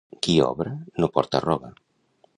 Qui obra no porta roba.